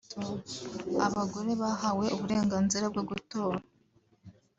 abagore bahawe uburenganzira bwo gutora